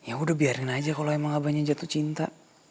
sayang ya udah biarin aja kalo emang abahnya jatuh cinta